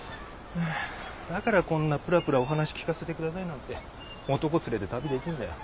だからこんなプラプラお話聞かせてくださいなんて男連れて旅できんだよ。